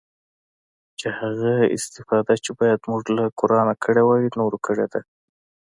چې هغه استفاده چې بايد موږ له قرانه کړې واى نورو کړې ده.